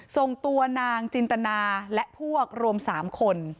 ส่งตัวนางจินตนาและพวกรวม๓คน